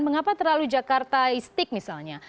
mengapa terlalu jakartaisik misalnya